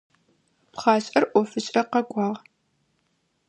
Пхъашӏэр ӏофышӏэ къэкӏуагъ.